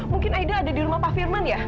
mungkin aida ada di rumah pak firman ya